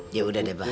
ya udah deh pak